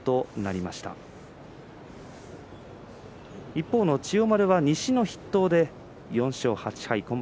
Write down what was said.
一方の千代丸西の筆頭で４勝８敗